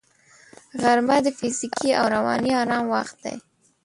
غرمه د فزیکي او رواني آرام وخت دی